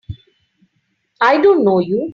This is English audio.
I don't know you!